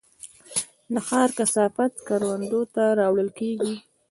د ښار کثافات کروندو ته راوړل کیږي؟